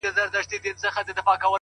• كلي كي ملا سومه ،چي ستا سومه.